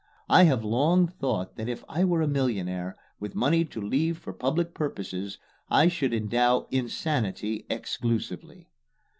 I have long thought that if I were a millionaire, with money to leave for public purposes, I should endow "Insanity" exclusively.